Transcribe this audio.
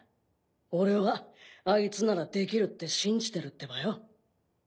俺はあいつならできるって信じてるってばよ。